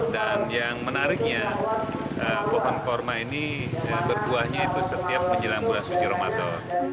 dan yang menariknya pohon kurma ini berbuahnya itu setiap menjelang bulan suci ramadan